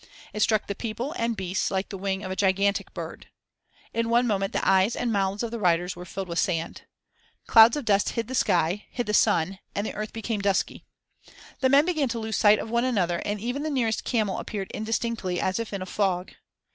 It struck the people and beasts like the wing of a gigantic bird. In one moment the eyes and mouths of the riders were filled with sand. Clouds of dust hid the sky, hid the sun, and the earth became dusky. The men began to lose sight of one another and even the nearest camel appeared indistinctly as if in a fog.